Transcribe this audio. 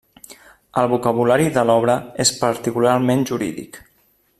El vocabulari de l'obra és particularment jurídic.